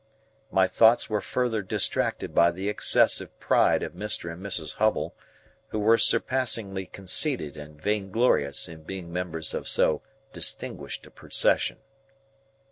My thoughts were further distracted by the excessive pride of Mr. and Mrs. Hubble, who were surpassingly conceited and vainglorious in being members of so distinguished a procession.